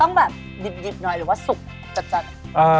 ต้องแบบดิบหน่อยหรือว่าสุกจัด